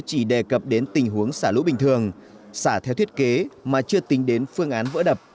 chỉ đề cập đến tình huống xả lũ bình thường xả theo thiết kế mà chưa tính đến phương án vỡ đập